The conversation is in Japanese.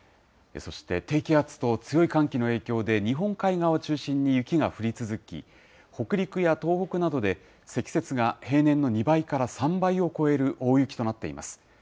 そして低気圧と強い寒気の影響で、日本海側を中心に雪が降り続き、北陸や東北などで、積雪が平年の２倍から３倍を超える大雪となっています。